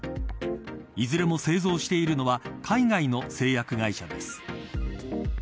いずれも製造しているのは海外の製薬会社です。